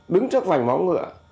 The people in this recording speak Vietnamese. đứng trước vành móng ngựa